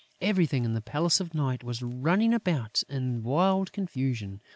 Everybody in the Palace of Night was running about in wild confusion.